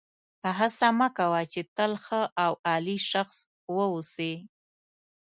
هڅه مه کوه چې تل ښه او عالي شخص واوسې.